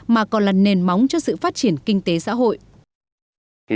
mà còn là nền móng cho sự phát triển kinh tế xã hội